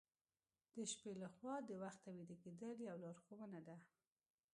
د شپې له خوا د وخته ویده کیدل یو لارښوونه ده.